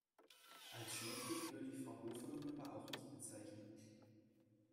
Als schmächtig würde ich Frau Hofer nun aber auch nicht bezeichnen.